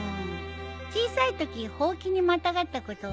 小さいときほうきにまたがったことはあるよ。